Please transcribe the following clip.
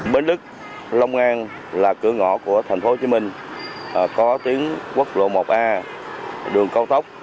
bến lức long an là cửa ngõ của thành phố hồ chí minh có tuyến quốc lộ một a đường cao tốc